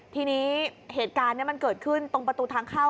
ทีนี้เหตุการณ์มันเกิดขึ้นตรงประตูทางเข้า